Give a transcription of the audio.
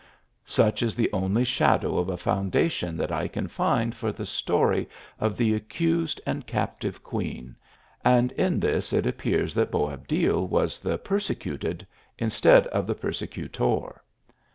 Such is the only shadow of a foundation that I can find for the story of the accused and captive queen ; and in this it appears that Boabdil was the per secuted instead of the persecutor.